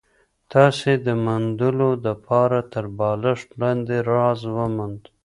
تاسي د موندلو دپاره تر بالښت لاندي راز وموند؟